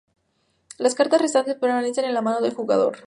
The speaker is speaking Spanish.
Las cartas restantes permanecen en la mano del jugador.